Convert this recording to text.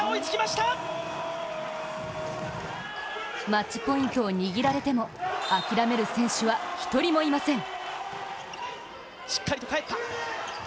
マッチポイントを握られても、諦める選手は１人もいません。